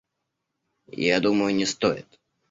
Я думаю, не стоит.